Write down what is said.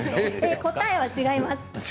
答えは違います。